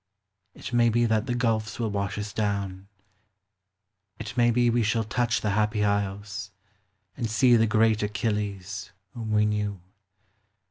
It may be that the gulfs will wash us down : It may be we shall touch the Happy Isles, And see the great Achilles, whom we knew.